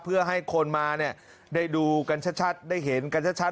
เพื่อให้คนมาเนี่ยได้ดูกันชัดได้เห็นกันชัด